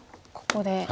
ここで。